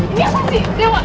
ini apa sih dewa